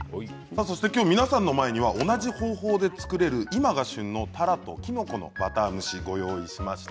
きょう皆さんの前には同じ方法で作れる今が旬の、たらときのこのバター蒸しをご用意しました。